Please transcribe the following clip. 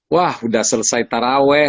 wah sudah selesai taraweh